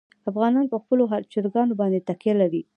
افغانستان په خپلو چرګانو باندې تکیه لري.